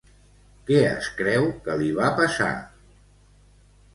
Què es creu que li va passar?